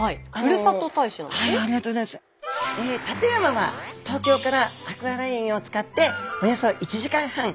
館山は東京からアクアラインを使っておよそ１時間半。